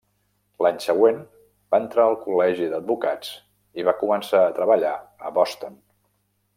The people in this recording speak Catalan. L'any següent va entrar al col·legi d'advocats i va començar a treballar a Boston.